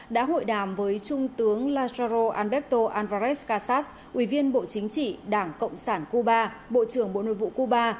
đã hội đàm với trung tướng lajaro alberto álvarez casas ủy viên bộ chính trị đảng cộng sản cuba bộ trưởng bộ nội vụ cuba